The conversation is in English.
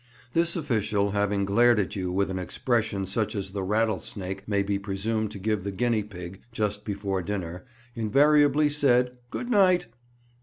This official, having glared at you with an expression such as the rattlesnake may be presumed to give the guinea pig just before dinner, invariably said "Good night!"